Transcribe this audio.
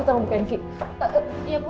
kita mau bukain kek